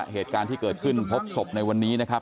เหตุการณ์ที่เกิดขึ้นพบศพในวันนี้นะครับ